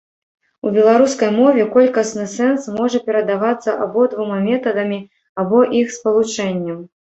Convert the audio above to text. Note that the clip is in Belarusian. У беларускай мове колькасны сэнс можа перадавацца абодвума метадамі або іх спалучэннем.